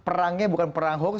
perangnya bukan perang hoax